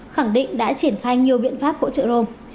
khẳng định đã triển khai nhiều biện pháp hỗ trợ rome